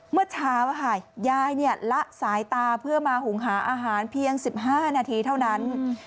เมื่อเช้ายายละสายตาเพื่อมาหุงหาอาหารเพียง๑๕นาทีเท่านั้น